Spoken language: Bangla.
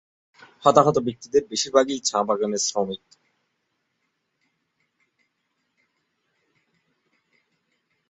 হতাহত ব্যক্তিদের বেশির ভাগই চা-বাগানের শ্রমিক।